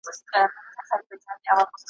زور د ستمګر مو پر سینه وجود وېشلی دی ,